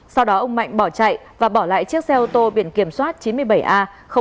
sau đó ông mạnh bỏ chạy và bỏ lại chiếc xe ô tô biển kiểm soát chín mươi bảy a ba nghìn hai trăm sáu mươi chín